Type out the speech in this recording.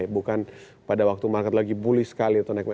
bukan pada waktu market lagi buli sekali